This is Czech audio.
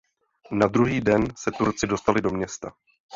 Na druhý den se Turci dostali do města.